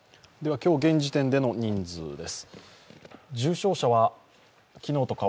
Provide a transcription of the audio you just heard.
今日現時点での人数です。